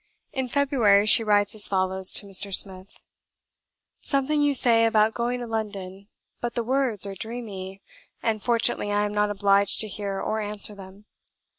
In February, she writes as follows to Mr. Smith: "Something you say about going to London; but the words are dreamy, and fortunately I am not obliged to hear or answer them.